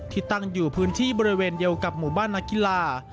ที่ตั้งอยู่พื้นที่บริเวณเดียวกับหมู่บ้านนักกีฬา